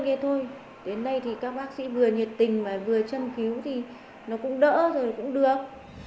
kia thôi đến đây thì các bác sĩ vừa nhiệt tình và vừa châm cứu thì nó cũng đỡ rồi cũng được